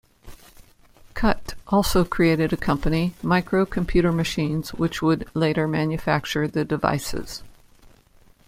Kutt also created a company, Micro Computer Machines, which would later manufacture the devices.